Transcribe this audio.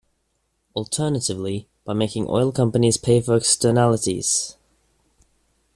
Alternatively, by making oil companies pay for externalities.